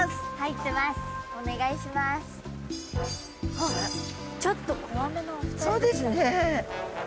あっちょっと怖めなお二人ですね。